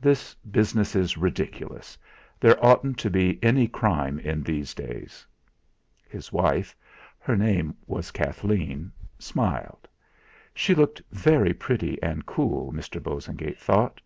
This business is ridiculous. There oughtn't to be any crime in these days." His wife her name was Kathleen smiled. She looked very pretty and cool, Mr. Bosengate thought.